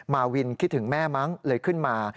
มาวินคิดถึงแม่มั้งเลยขึ้นมา